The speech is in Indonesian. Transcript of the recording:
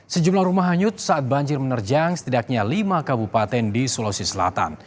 sejumlah rumah hanyut saat banjir menerjang setidaknya lima kabupaten di sulawesi selatan